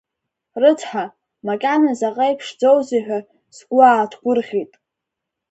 Рыцҳа, макьана заҟа иԥшӡоузеи ҳәа, сгәы ааҭгәырӷьеит.